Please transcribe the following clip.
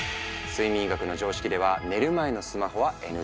睡眠医学の常識では寝る前のスマホはＮＧ。